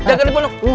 jagain di penuh